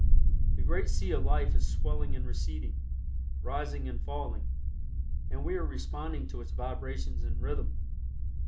The great sea of life is swelling and receding, rising and falling, and we are responding to its vibrations and rhythm.